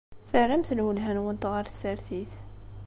Terramt lwelha-nwent ɣer tsertit.